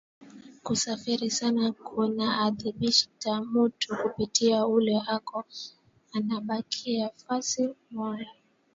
Kusafiri sana kuna adibisha mutu kupita ule eko nabakia fasi moya